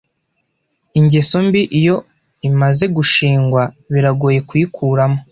Ingeso mbi, iyo imaze gushingwa, biragoye kuyikuramo.